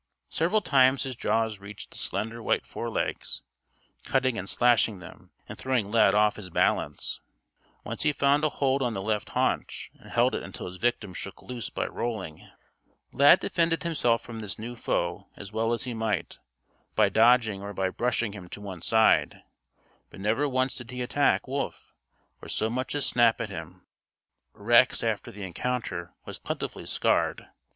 Several times his jaws reached the slender white forelegs, cutting and slashing them and throwing Lad off his balance. Once he found a hold on the left haunch and held it until his victim shook loose by rolling. Lad defended himself from this new foe as well as he might, by dodging or by brushing him to one side, but never once did he attack Wolf, or so much as snap at him. (Rex after the encounter, was plentifully scarred.